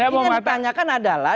ini ditanyakan adalah